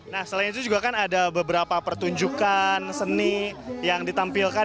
nah selain itu juga kan ada beberapa pertunjukan seni yang ditampilkan